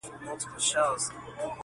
هر څوک خپله کيسه لري تل